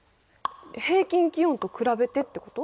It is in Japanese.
平均気温と比べてってこと？